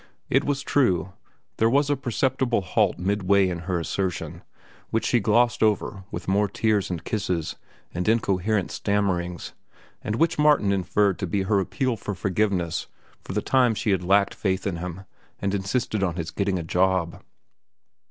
It was true, there was a perceptible halt midway in her assertion, which she glossed over with more tears and kisses and incoherent stammerings, and which Martin inferred to be her appeal for forgiveness for the time she had lacked faith in him and insisted on his getting a job.